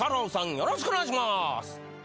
よろしくお願いします。